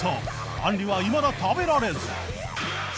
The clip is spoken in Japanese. あんりはいまだ食べられず